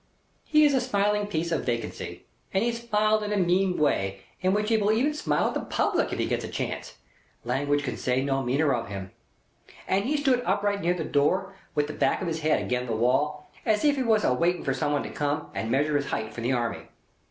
He is a smiling piece of vacancy, and he smiled in the mean way in which he will even smile at the public if he gets a chance (language can say no meaner of him), and he stood upright near the door with the back of his head agin the wall, as if he was a waiting for somebody to come and measure his heighth for the Army.